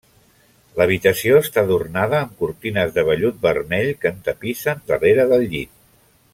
L'habitació està adornada amb cortines de vellut vermell, que entapissen darrere del llit.